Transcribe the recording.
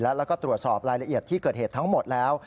แล้วก็ตรวจสอบรายละเอียดที่เกิดเหตุทั้งหมดแล้ว